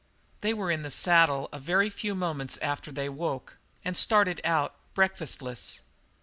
They were in the saddle a very few moments after they awoke and started out, breakfastless.